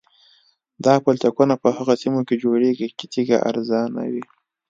دا پلچکونه په هغه سیمو کې جوړیږي چې تیږه ارزانه وي